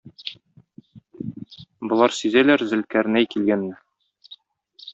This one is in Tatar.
Болар сизәләр Зөлкарнәй килгәнне.